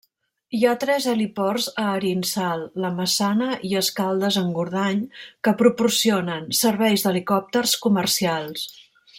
Hi ha tres heliports a Arinsal, la Massana i Escaldes-Engordany que proporcionen serveis d'helicòpters comercials.